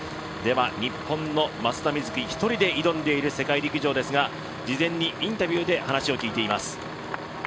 では日本の松田瑞生１人で挑んでいる世界陸上ですが事前にインタビューで話を聞いています。